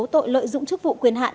tội lợi dụng chức vụ quyền hạn